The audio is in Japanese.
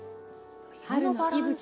春の息吹を。